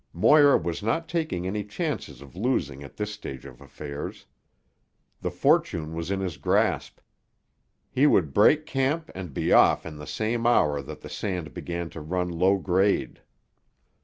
Moir was not taking any chances of losing at this stage of affairs. The fortune was in his grasp; he would break camp and be off in the same hour that the sand began to run low grade.